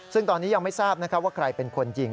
ซึ่งตอนนี้ยังไม่ทราบว่าใครเป็นคนยิง